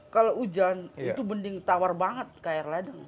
kalau hujan itu bening tawar banget kayak air ladang